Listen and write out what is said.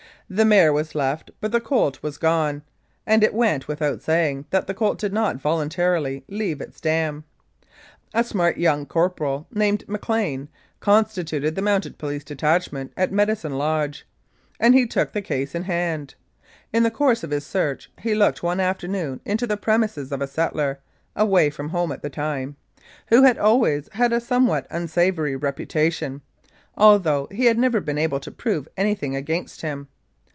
The mare was left, but the colt was gone, and it went without saying that the colt did not voluntarily leave its dam. A smart young corporal named McLean constituted the Mounted Police detach ment at Medicine Lodge, and he took the case in hand. In the course of his search he looked one afternoon into the premises of a settler (away from home at the time), who had always had a somewhat unsavoury reputation, although we had never been able to prove anything against him.